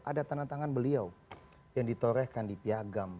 ada tanda tangan beliau yang ditorehkan di piagam